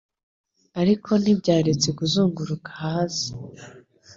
Ariko ntibyaretse kuzunguruka hasi